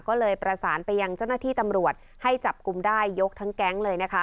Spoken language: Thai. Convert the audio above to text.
ก็เลยประสานไปยังเจ้าหน้าที่ตำรวจให้จับกลุ่มได้ยกทั้งแก๊งเลยนะคะ